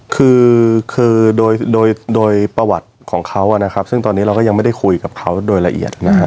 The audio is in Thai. คือคือโดยโดยประวัติของเขานะครับซึ่งตอนนี้เราก็ยังไม่ได้คุยกับเขาโดยละเอียดนะฮะ